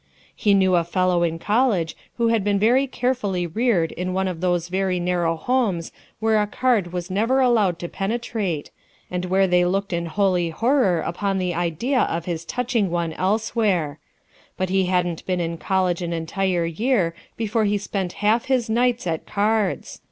He knew a fellow in college who had been very carefully reared in one of those very narrow homes where a card was never allowed to penetrate, and where they looked in holy horror upon the idea of his touching one elsewhere; but he hadn't been in college an entire year before he spent half his nights at cards